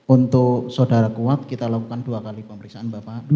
untuk saudara kuat kita lakukan dua kali pemeriksaan bapak